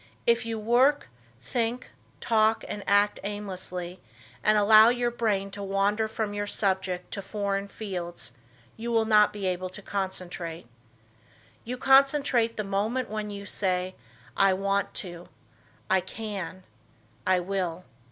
If you work, think, talk and act aimlessly, and allow your brain to wander from your subject to foreign fields, you will not be able to concentrate. You concentrate at the moment when you say, "I want to, I can, I will."